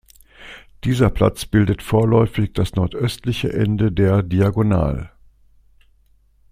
Dieser Platz bildete vorläufig das nordöstliche Ende der "Diagonal".